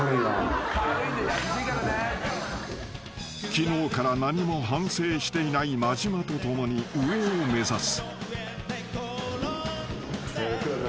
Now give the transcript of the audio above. ［昨日から何も反省していない間島と共に上を目指す］